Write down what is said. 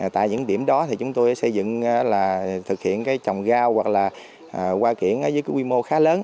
tại những điểm đó thì chúng tôi xây dựng là thực hiện trồng gao hoặc là hoa kiển với quy mô khá lớn